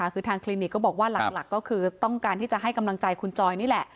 คือทางคลินิกก็บอกว่าหลักก็คือต้องการที่จะให้กำลังใจคุณจอยนี่แหละ